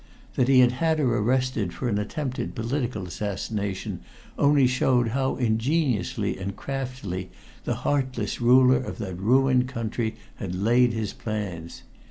That he had had her arrested for an attempted political assassination only showed how ingeniously and craftily the heartless ruler of that ruined country had laid his plans.